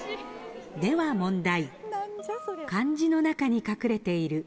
では問題。